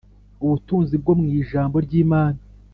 Ubutunzi bwo mu Ijambo ry imana